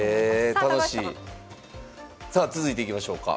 さあ続いていきましょうか。